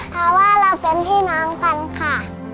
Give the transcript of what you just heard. เพราะว่าเราเป็นพี่น้องกันค่ะ